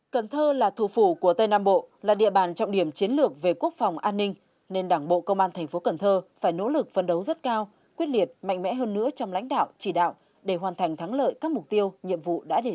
cần thơ là thủ phủ của tây nam bộ là địa bàn trọng điểm chiến lược về quốc phòng an ninh nên đảng bộ công an thành phố cần thơ phải nỗ lực phân đấu rất cao quyết liệt mạnh mẽ hơn nữa trong lãnh đạo chỉ đạo để hoàn thành thắng lợi các mục tiêu nhiệm vụ đã đề ra